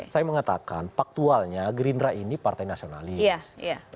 saya mengatakan faktualnya gerindra ini partai nasionalis